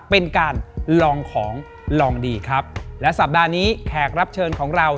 เป็นการลองของลองดีครับและสัปดาห์นี้แขกรับเชิญของเรา